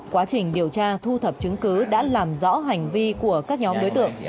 quá trình điều tra thu thập chứng cứ đã làm rõ hành vi của các nhóm đối tượng